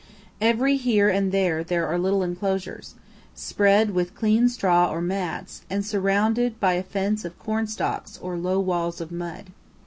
Every here and there are little enclosures, spread with clean straw or mats, and surrounded by a fence of cornstalks or low walls of mud.